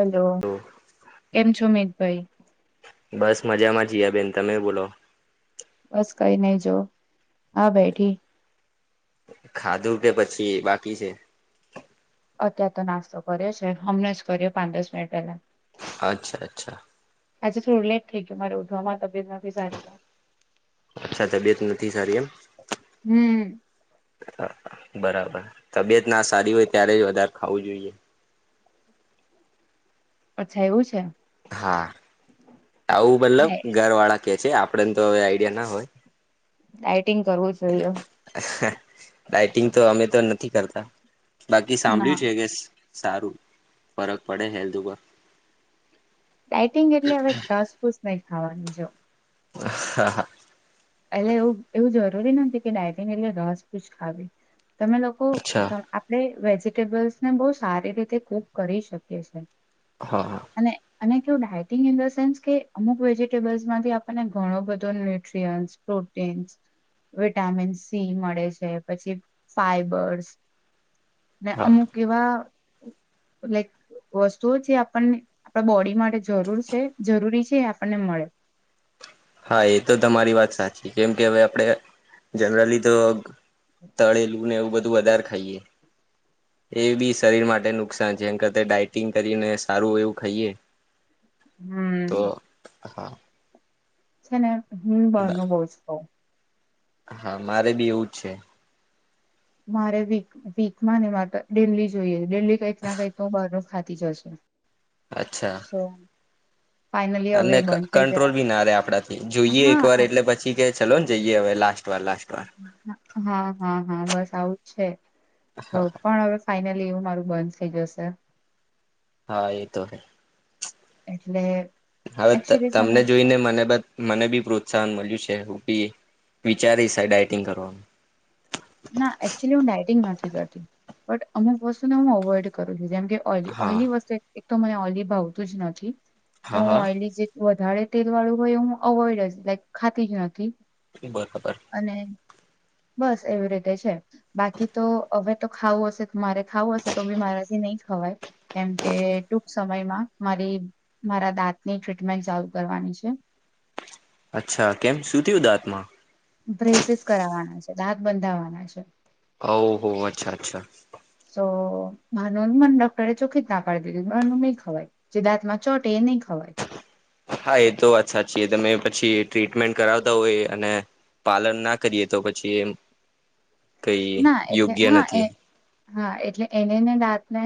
Hello કેમ છો મિતભાઈ? જિયા બેેન તમે બોલો. બસ કઈ નહી જો આ બેઠી. ખાધુ કે પછી બાકી છે? અત્યાર તો નાસ્તો કર્યો છે હમણાં જ કર્યો પાંચ દસ મિનિટ પહેલા. અચ્છા અચ્છા. આજે થોડું લેટ થઈય મારે ઉઠવામાં સારી અચ્છા તબિયત નથી સારી એમ હમ બરાબર તબિયત ના સારી હોય ત્યારે જ વધારે ખાવું જોઈએ. અચ્છા એવું છે. હા આઉ મતલબ ડાય- ઘર વાળા છે આપડેન તો હવે આઈડિયા ના હોય. આ ટિંગ કરવું જોઈએ. ડઇટિંગ તો અમે તો નથી કરતા. બાકી ના સાંભળ્યું છે કેસ સારું ફરક પડે હેલ્થ ઉપર ડઇટિંગ એટલે હવે ઘાસ ફૂસ નઈ ખવાનુ જો. હા હા. એટલે એવું એવું જરૂરી નથી કે ડાયટિંગ એટલે રસ ફૂજ ખાવી તમે લોકો અચ્છા ત આપડે વેજીિટેબલ્સ ને બહુ સારી રીતે કૂક કરી શકીએ છે. હા હા. અને અને કેવું ડાયટિંગ ઇન ધ સેન્સ કે અમુક વેજીટેબલ્સ માંથી આપણને ઘણો બધો ન્યુટ્રીયન્ટ પ્રોટીન્સ વિટામિન સી મળે છે પછી ફાઈબર્સ ને હા અમુક એવા લાઈક વસ્તુઓ જે આપણને આપણા બોડી માટે જરૂર છે જરૂરી છે આપણને મળે. હા એ તો તમારી વાત સાચી કેમ કે હવે આપડે જનરલી તો તળેલું ને એવું બધું વધારે ખાઈએ એ બી શરીર માટે નુકસાન છેમ કર ડાયટિંગ કરીને સારું એવું ખાઈએ તો હમ. હા. છેને હમ બરનુ બઉ જ ખઉ હા મારે બી એવું જ છે મારે વીક વીકમાં ને મારે તો ડેલી જોઈએ ડેલી કઈક ના કઈ બાર નું ખાતી જ હશું. અચ્છા સો ફાઈનલી હવે અને બંધ થઈ કંટ્રોલ જવાનું બી ના રે આપડાથી જોઈએ એક હા વાર એટલે પછી કે ચાલલો જઈએ હવે લાસ્ટ વાર લાસ્ટ વાર હા હા હા બસ આવું છે. તો પણ હવે ફાઈનલી એવું. મારું બંધ થઇ જશે. હા એ તો હૈ, એટલે હવે એકચુલી છે ને તમને જોઈને મને બ મને બી પ્રોત્સાહન મળ્યું છેી વિચારી સા ડઇટિંગ કરવાનું. બ અમુક વસ્તુને હું અવોઈડ કરું છું, જેમ ઓલી હા ઓયલી વસ્ એક તો મને અલીભાવતું જ નથી. હા હું હા ઓયલી જે વધારે તેલ વાળું હોય હું અવોઈડ જ લાઈક ખાતી જ નથી. બરાબર અને બસ એવી રીતે છે, બાકી તો હવે તો ખાવું હશે. મારે ખાવું હશે તો બી મારાથી નહી વાય કેમ કે ટૂંક સમયમાં મારી મારા દાંતની ટ્રીટમેન્ટ ચાલુ કરવાની છે. અચ્છા કેમ સુું થયું દાંતમાં? બ્રેસીસ કરાવવાના છે, દાંત બંધાવાના છે. ઓ હો, અચ્છા અચ્છા તો માનું મને ડોક્ટરે ચોખ્ખી ના પાી દીધું માનું નહી ખવાય જે દાંતમાં ચોટે એ નહી ખવાય. હા એ તો વાત સાચી તમે પછી ટ્રીટમેન્ટ કરાવતા હોય અને પાલન ના કરીએ તો પછી એમ કઈ ના એટલે યોગ્ય હા એ નથી. હા, એટલે એનેને દાંતને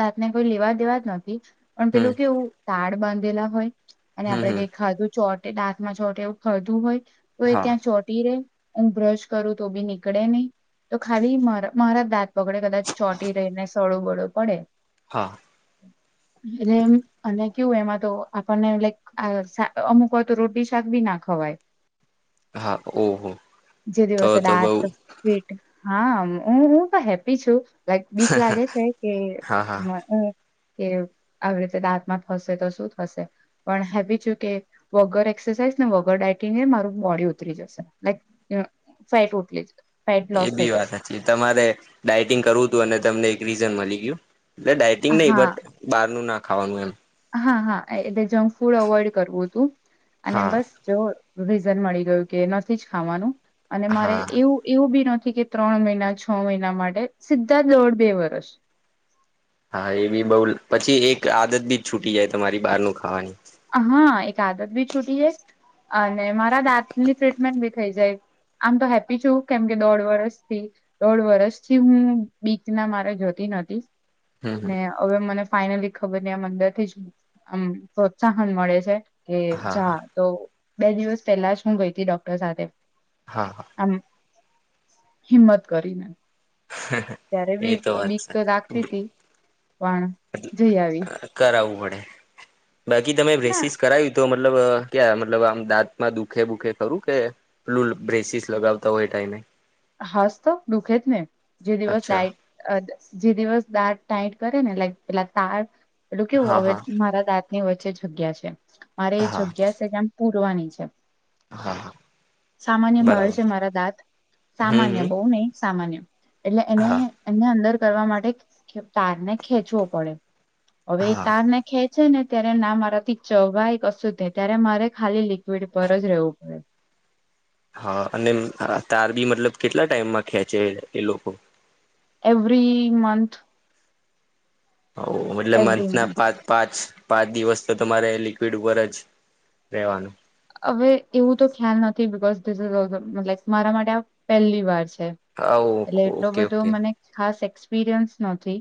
દાંતને કોઈ લેવા દેવા જ નહોતી, પણ હમ પેલું કેવું તાડ બાંધેલા હોય, અને હમ આપડે હમ કઈક ખાધું ચોટ દાંતમાં છો એવું ખરધું હોય, તો એ હા ક્યાં ચોટી રે હું બ્રશ કરું તો બી નીકળે નહી તો ખાલી મારા દાંત પગડે કદાચ ચોટી રહી ને સળું બડું પડે હા, એટલે એ અને કેવું એમાં તો આપણને લક આ અમુક વાય તો રોટીલી શાક બી ના ખવાય. હા, ઓહ તો તો બઉ તત સ્ીટ હા હું હું તો હેપી છું. લાઈક બીક લાગે છે, કે હા હા કે આવી રીતે દાંતમાં થશે તો શું થશે પણ હેવી છુ કે વગટ એક્સરસાઇઝ ને વગઉર ડાયટિંગને મારું બોડી ઉતરી જશે લક ફેટ ઉટલી એ બી વાત તમારે ડાયટિંગ કરવું હતું અને તમને એક રીઝન મળી [inaudible] એટલે ડાયટિંગ નહ હા બટ બહાર નું નાખ ખાવાનું એમ હા હા એટલે જંક ફૂડ અવોઈડ કરવું હતું અને હા બસ જો રીઝન મળી ગયું કે નથી જ ખાવાનું અને મારે હા એવું એવું બી નથી કે ત્રણ મહિના છ મહિના માટે સીધા દોઢ બે વર્ષ હા એ બી બઉુ પછી એક આદત બીજ છૂટી જાય તમારી બહાર ન ખાવાની આાદત બી છૂટી જાય અને મારા દાતની ટ્રીટમેન્ટ બી થઈ જાય આમ તો હેપી છું કેમકે દોઢ વર્સથી દોઢ વર્ષથી હું બીચ ના મારે જોતી નતી હમ ને હવે મને ફાઈનલી ખબર ને આમ અંદર થી જ આમ ત્સાહન મળે છે કે હમ હા હા જાા તો બે દિવસ પહેલા જ શું ગઈ હતી ડોક્ટર સાથે હા હા આમ હિંમત કરીને ત્યારે એ બી વાત બીક તો દખતી સાચી તી પણ જઈ આવી [inaudible] બાકી તમે ના બ્રેસીિસ કરાવું તો મતલબ ક્યાં મતલબ આમ દાંતમાં દુખે બુખે ખરું કેલ બ્રેસીસ લગાવતા હોય ટાઈમે હાસ તો દુઃખત નને જે દિવસ અચ્છા લઇટ જે દિવસ દા ટાટ કરે ને લક પેલા તળ એટલું કેવું હા હવે હા મારા દાંત ની વચ્ચે જગ્યા છે મારે એ હા જગ્યા છે કેમ પૂરવાની છે હા હા સામાન્ય બળ બરાબર છે મારા દાંત હમ સામાન્ય હમ બઉ નહી સામાન્ય એટલે એને હા એને અંદર કરવા માટે તારને ખેંચવો પડે. હવે એ હા તારને ખે છે ને ત્યારે ના મારાથી ચવાય કશું જ નઈ ત્યારે મારે ખાલી લિક્વિડ પર જ રેવું પડે. હઅ. અને તાર બી મતલબ કેટલા ટાઈમમાં ખેચે એ લોકો? Every month. હવ મતલબ એવરી મંથના મંથ પાંચ-પાંચ પાંચ દિવસ તો તમારે લિક્વિડ ઉપર જ રહેેવાનું. હવે એવું તો ખ્યાલ ન થી because this is also like મારા માટે આ પહેલી વાર છે. છે. હા એટલે એટલો ઓકે બધો ઓકે મને ખાસ એક્સપિરયન્સ નથી.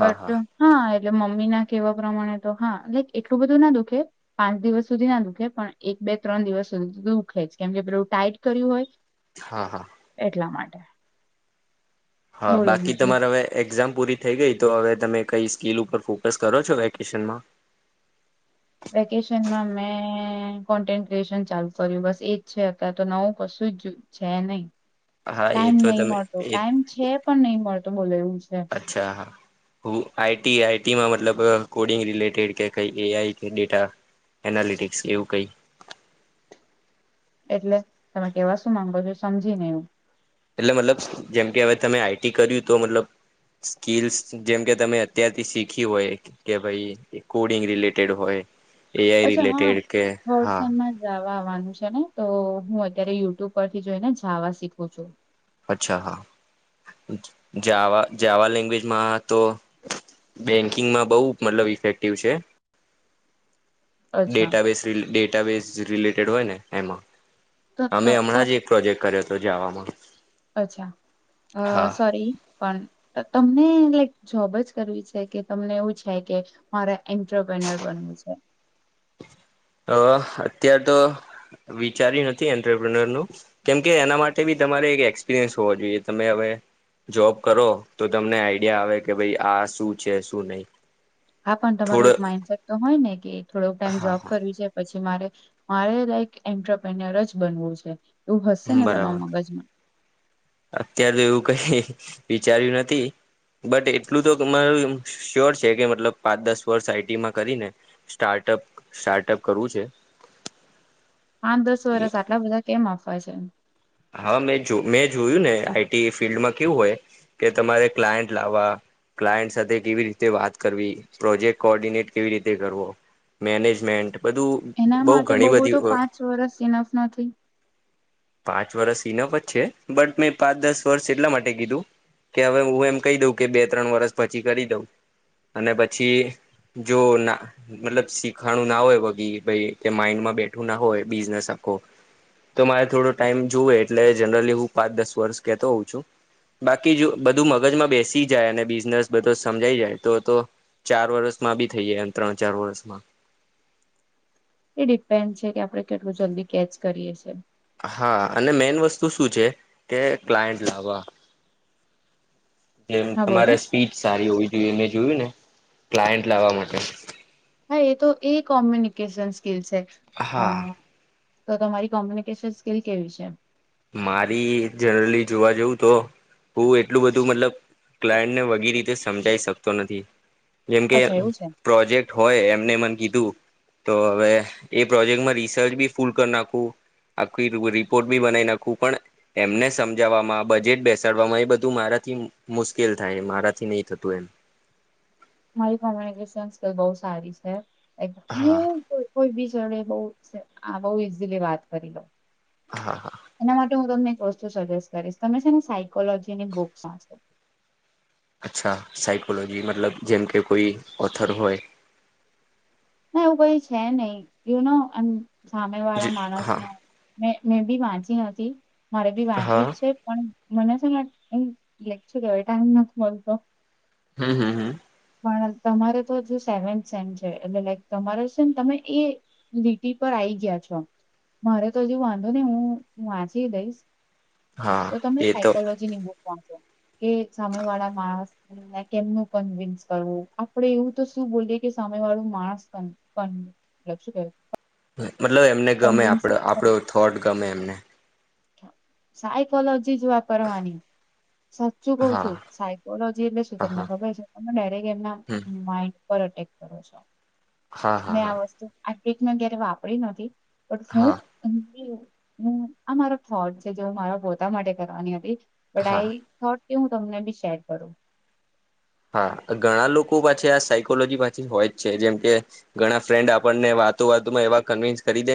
બટ હા એટલે મમ્મીના કહેવા પ્રમાણે તો હા. લાઈક એટલું બધું ના દુખે પાંચ દિવસ સુધી ના દુખે પણ એક, બે, ત્રણ દિવસ સુધી તો દુઃખે જ કેમ કે પેલુ ટાઈટ કર્યું હોય હા હા. એટલા માટે હા, બોલો બાકી બીજું તમારે હવે એક્ઝામ પૂરી થઈ ગઈ. તો હવે તમે કઈ સ્કીલ ઉપર ફોકસ કરો છો વેકેશનમાં? વેકેશનમાં મેં કોન્ટેન ક્રીએશન ચાલુ કર્યું બસ એજ છે. અત્યારે તો નવું કશું જ છે નઈ. હા એ ટાઈમ તો નહી તમે મળતો. એ ટાઈમ છે પણ નહી મળતો બોલે એવું છે. ટીમા મતલબ કોડિંગ રિલેટેડ કે કઈ એઆઈ કે ડેટા એનાલિટિક્સ એવું કઈ. એટલે તમે કેવા શું માંગો છો સમજી નઈ હું. એટલે મતલબ જેમ કે હવે તમે આઈટી કર્યું તો મતલબ સ્કીલસ જેમ કે તમે અત્યારથી શીખ્યું હોય કે ભઈ કોડિંગ રિલેટેડ હોય એઆઈ અચ્છા હા રિલેેટેડ કે હા. વલસાડમાં જાવા આવવાનું છે. ને તો હું અત્યારે યુટ્યુબ પરથી જોઈને જાવા શીખું છું. અચ્છા હા.. જાવા જાવા લેંગ્વેજમાં તો બેંકિંગમાં બઉ મતલબ ઇફેક્ટિવ છે. અચ્છા ડેટાબેસ રીલ ડેટાબેસ જ રિલેટેડ હોય ને એમાં તો અમે તો તો હમણાં જ એક પ્રોજેક્ટ કર્યો. તો જાવામાં અચ્છા. અ હા સોરી પણ ત તમને લાઈક જોબ જ કરવી છે કે તમને એવું છે કે મારે એન્ટરપ્રનર બનવું છે. અ અત્યાર તો વિચાર્યું નથી એન્ટરપ્રનર ન કેમ કે એના માટે બી તમારે એક એક્સપિરિયન્સ હોવો જોઈએ. તમે હવે જોબ કરો તો તમને આઈડિયા આવે કે ભાઈ આ શું છે શું નઈ. હા, પણ તમારું એક માઇન્ડસેટ તો હોય ને કે. થોડોક ટાઈમ જોબ કરવી છે પછી મારે મારે લક એન્ટરપનર જ બનવું છે એવું હશે ને તમારા બરાબર મગજમાં અત્યારે તો એવું કઈ વિચાર્યું નથી બટ એટલું તોર શ્યોર છે કે મતલબ પાંચ દસ વર્ષ આઈટીમાં કરીને સ્ટાર્ટઅપ સ્ટાર્ટઅપ કરવું છે. હા દસ વર્ષ આટલા બધા કેમ આવશે. પ છે હા મેં જો મેં જોયું ને આઈટી ફિલ્ડમાં કેવું હોય કે તમારે ક્લાયન્ટ લાવવા ક્લાયન્ટ સાથે કેવી રીતે વાત કરવી પ્રોજેક્ટ કોર્ડિનેટ કેવી રીતે કરવો મેનેજમેન્ટ. બધું એના બહુ માટે ઘણી બબુ તો બધી પાંચ વરષ ઇનફ નથી. પાંચ વર્ષ નફત છે બટ મેં પાંચ દસ વર્ષ એટલા માટે કીધું કે હવે હું એમ કહી દઉં કે બે ત્રણ વર્ષ પછી કરી દઉં અને પછી જો ના મતલબ શીખવાણું ના હોયી માઈન્ડમાં બેઠું ના હોય બીનેખો તો મારે થોડો ટાઈમ જોુવે એટલે જનરલી હું પાંચ દસ વર્ષ કેતો હોઉં છું બાકી જો બધું મગજમાં બેસી જાય અને બિઝનેસ બધ સમજાય જાય તો તો ચાર વર્ષમાં બી થઈ જાય એમ ત્રણ ચાર વર્ષમાં એ ડિપેન્ડ છે કે આપડે કેટલું જલ્દી કેચ કરીએ છે. હા અને મેન વસ્તુ શું છે કે ક્લાયન્ટ લાવવા જેમ હા બોલો તમારે સ્પીડ સારી હોવી જોઈએ એ જોયું ને ક્લાયન્ટ લાવવા માટે હા એ તો એ કોમ્યુનિકેશનસ. સ્કીલસ અ હા તો તમારી કોમ્યુનિકેશન સ્કીિલ કેવી છે. મારી જનરલી જોવા જવું તો હું એટલું બધું મતલબ ક્લાયન્ટને વગી રીતે સમજાઈ શકતો નથી જેમ કે અચ્છા એવું છે પ્રોજેક્ટ હોય એમ કીું હ એ પ્રોજેક્ટ રિસર્ચી ફલ નાખુંખ રિપોર્ટી બના નાખ હું પણ એમને સમજાવવામાં બજેટ બેસાડવામાં એ બધું મારાથી મુશ્કેલ થાય મારાથી નહી થતું એમ. મારી કોમ્યુનિકેશન સ્કલ બહ સારી છે. હા હું કોઈ બીજ ડ બ બહુ ઈઝીલી વાત કરી લો. હા હા એના માટે હું તમને વસ્તુ સજેસ્ટ કરીશ તમે છે ને સાયકોલોજી ની બુક વાંચો અચ્છા સાયકોલોજી મતલબ જેમ કે કોઈ ઓથર હોય. ના એવું કઈ છે નહી યુ ન એ. સામે વાળા માણસ હા ને મે મેં બી વાંચી ન. મારે બી હા વાંચવી જ છે પણ મને છેને લેકચ કેવાય ટાઈમ નથી મળતો. હમ હમ હમ. પણ તમારે તો જો સેવન્થ સેમ છે એટલે લાઈક તમારે છે ને તમે એ લીટી પર આઈ ગયા છો મારે તો હજ વાંધો ને હું વાંચી દઈશ હા તો તમે એ તો સાયકોલોજી ની બુક વાંચો. કે સામે વાળા માણસને કેમનું કન્વિન્સ કરવું આપડે એવું તો શું બોલીએ કે સામે વાળું માણસ પણ પન મતલબ શું કેવાય મતલબ એમને ગમે કન્વિન્સ આપણો થોટ ગમે એમને સાઈકોલોજી છીજ વાપરવાની સાચું કઉ હા છું સાયકોલોજી એટલે શું હા તમને હા ખબર છે તને ડાયરેક્ટ એમના હમ માઇડ પર એટેક કરે છે. હા હા મેં આ હા વસ્તુ આ કેકને ક્યારે વાપરી નથી પણ શું હા [inaudible] આ મારો થોટ છે જે મારા પોતા માટે કરવાની હતી. હા પઢાઈ થોટ કે હું તમને બી શેર કરું હા ઘણા લોકો પાછી આ સાયકોલોજી પાછી હોય જ છે જેમ કે ઘણા ફ્રેન્ડ આપણને વાતો વાતોમાં એવા કન્વીિન્સ કરી દે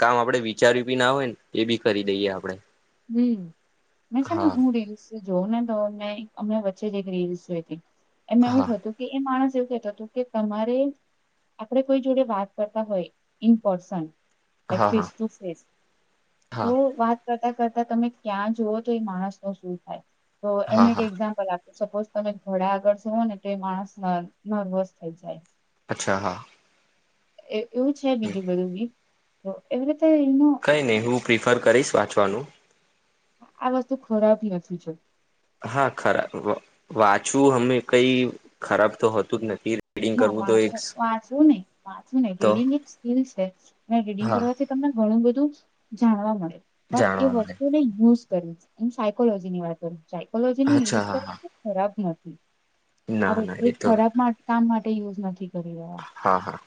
કામ આપણે વિચાર્યું બી ના હોય ને એ બી કરી દઈએ આપડે હમ મે છે ને હા ઊંડીશ જોવ ને તો અમને વચ્ચે જે એક રીસ જોયતી એમાં હા એવું હતું કે એ માણસ કેતો તો કે તમારે આપણે કોઈ જોડે વાત કરતા હોય ઇનપર્સન હા ફેસ હા ટુ ફેસ તો હા વાત કરતા કરતા તમે ક્યાં જુવો તો એ માણસ નો શું થાય. તો હા એનું એક હા એક્ઝામ્પલ આપ સપોઝ તમે થોડે આગળ જવો ને તો માણસ નર્વસ થઈ જાય. અચ્છા હા એ એવું છે બીજું બધું બી એવી રીતે એનું કઈ નહી હું પ્રિ ફર કરીશ વાંચવાનું આ વસ્તુ ખોરાવતી નથી છે. હા ખરા વાંચું અમે કઈ ખરાબ તો હોતું જ નથી. રીડિંગ ના કરવું તો વાંચ એક વાંચવું નહી વાંચવું નહી તો રીડિંગ એક સ્કીિલ છે અને રીડિંગ હા કરવાથી તમને ઘણું બધું ધુ જાણવા મળે પણ એ જાણવા મળે. વસ્તુને યુઝ કરે છે એમ સાયકોલોજી ની વાત કરું સાયકોલોજી ને અચ્છા યુઝ હા હા. કરવી તે ખરાબ નથ હમ ના આપણે ના એ કંઈક તો ખરાબ માટ માટે યુઝ નથી કરી રહ્યા. હા હા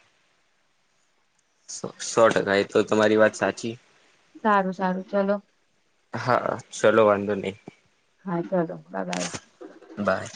સો સો ટકા એ તો તમારી વાત સાચી સારું સારું ચલો હા ચલો વાંધો નહી હા ચલો બા બાય બાય.